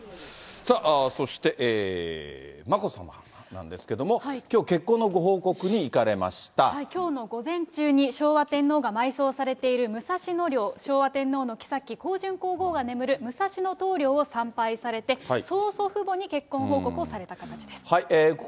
そして、眞子さまなんですけれども、きょう結婚のご報告に行きょうの午前中に、昭和天皇が埋葬されている武蔵野陵、昭和天皇の后、香淳皇后が眠る武蔵野東陵を参拝されて、そう祖父母に結婚報告をされた形です。